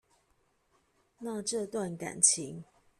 那這段感情